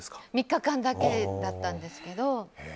３日間だけだったんですけど。